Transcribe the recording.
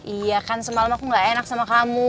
iya kan semalam aku gak enak sama kamu